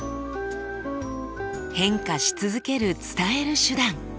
変化し続ける「伝える手段」。